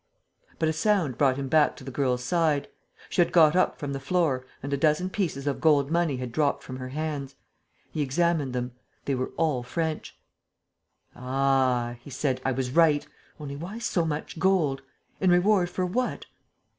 But a sound brought him back to the girl's side. She had got up from the floor and a dozen pieces of gold money had dropped from her hands. He examined them. They were all French. "Ah," he said, "I was right! Only, why so much gold? In reward for what?"